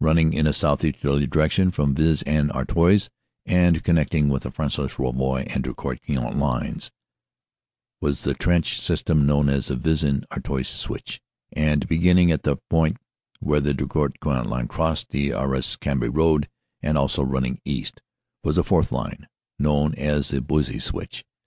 Running in a southeasterly direction from Vis en Artois. and connecting the Fresnes Rouvroy and Drocourt Queant lines, was the trench system known as the Vis en Artois Switch. And, beginning at the point where the Drocourt Queant line crossed the Arras Cambrai road, and also running east, was a fourth line, known as the Buissy Switch.